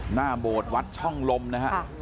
หน้าโบดวัดช่องลมนะฮะที่ราชบุรีนะครับ